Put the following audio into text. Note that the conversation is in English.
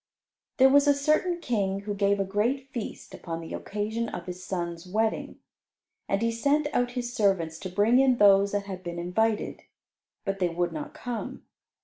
There was a certain King who gave a great feast upon the occasion of his son's wedding. And he sent out his servants to bring in those that had been invited, but they would not come.